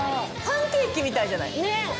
パンケーキみたいじゃない？